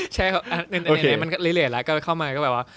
ใช่ครับมันก็เหลี่ยแล้วก็เข้ามาก็แบบว่า